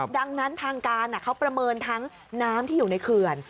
ดังนั้นทางการเขาประเมินทั้งน้ำที่อยู่ในเขื่อน